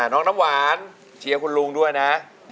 น้องน้ำหวานเชียร์คุณลุงด้วยนะ